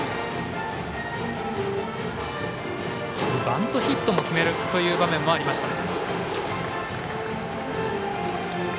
バントヒットも決めるという場面もありました。